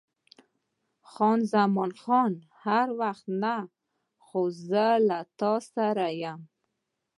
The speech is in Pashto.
خان زمان: هر وخت نه، خو زه له تا سره یم.